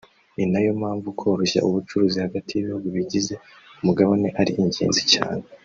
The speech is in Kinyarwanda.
ni nayo mpamvu koroshya ubucuruzi hagati y’ibihugu bigize umugabane ari ingenzi cyane